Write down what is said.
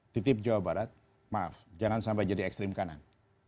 titip jawa barat maaf jangan sampai jadi ekstrim kanan